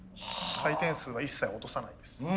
回転数は一切落とさないです。